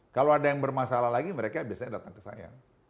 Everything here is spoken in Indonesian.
kalau ada yang bermasalah lagi mereka biasanya datang ke saya